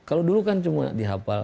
kalau dulu kan cuma dihapal